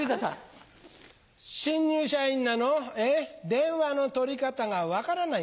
電話の取り方が分からないの？